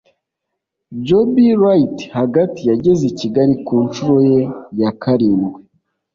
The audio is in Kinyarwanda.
Joby Wright (Hagati) yageze i Kigali ku nshuro ye ya karindwi